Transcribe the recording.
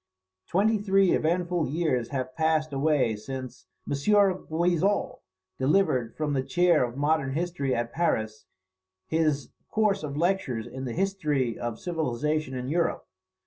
Twenty three eventful years have passed away since M. Guizot delivered from the chair of modern history at Paris his course of lectures on the History of Civilization in Europe.